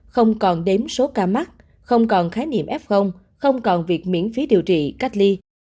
không còn đến số ca mắc không còn khái niệm f không còn việc miễn phí điều trị cách ly